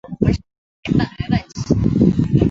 突厥人是欧亚大陆民族的主要成份之一。